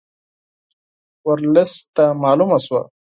ورلسټ ته معلومه شوه.